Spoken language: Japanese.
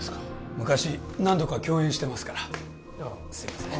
昔何度か共演してますからすいません